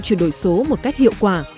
chuyển đổi số một cách hiệu quả